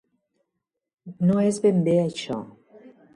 No és ben bé això.